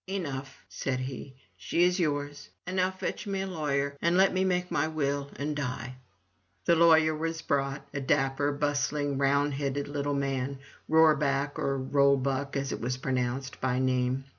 "Enough,'' said he, "she is yours! — and now fetch me a lawyer and let me make my will and die." The lawyer was brought — a dapper, bustling, round headed little man, Roorback (or Rollebuck as it was pronounced) by name.